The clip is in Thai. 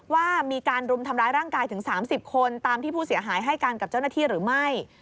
ว่ามีการรุมทำร้ายร่างกายถึง๓๐คนตามที่ผู้เสียหายให้การกับเจ้าหน้าที่หรือไม่